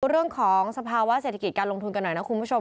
เรื่องของสภาวะเศรษฐกิจการลงทุนกันหน่อยนะคุณผู้ชม